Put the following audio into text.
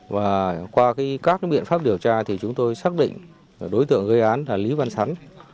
và qua các biện pháp điều tra thì chúng tôi xác định đối tượng gây án là lý văn sắn